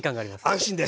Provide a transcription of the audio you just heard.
安心です。